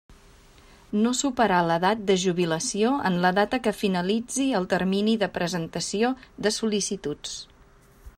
No superar l'edat de jubilació en la data que finalitzi el termini de presentació de sol·licituds.